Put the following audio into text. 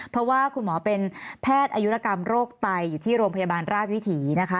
เพราะว่าคุณหมอเป็นแพทย์อายุรกรรมโรคไตอยู่ที่โรงพยาบาลราชวิถีนะคะ